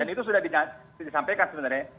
dan itu sudah disampaikan sebenarnya